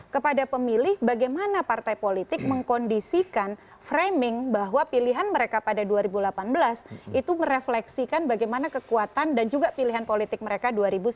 kepada pemilih bagaimana partai politik mengkondisikan framing bahwa pilihan mereka pada dua ribu delapan belas itu merefleksikan bagaimana kekuatan dan juga pilihan politik mereka dua ribu sembilan belas